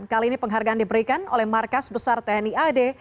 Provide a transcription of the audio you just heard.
kali ini penghargaan diberikan oleh markas besar tni ad